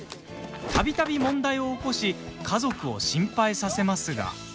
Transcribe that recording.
たびたび問題を起こし家族を心配させますが。